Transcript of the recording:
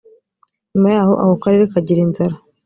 nyuma yaho ako karere kagira inzara